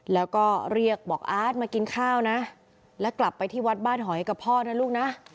แล้วก็เรียกบอกอาร์ตมากินข้าวนะแล้วกลับไปที่วัดบ้านหอยกับพ่อนะลูกนะ